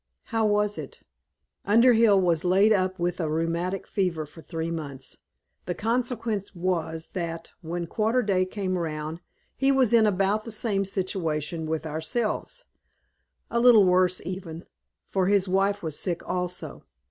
"How was it?" "Underhill was laid up with a rheumatic fever for three months. The consequence was, that, when quarter day came round, he was in about the same situation with ourselves, a little worse even, for his wife was sick, also.